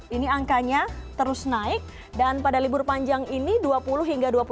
ini angkanya terus naik dan pada libur panjang ini dua puluh hingga dua puluh